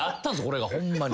これがホンマに。